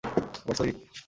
আবার, স্যরি?